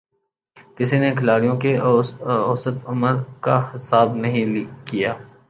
کسی نے کھلاڑیوں کی اوسط عمر کا حساب نہیں کِیا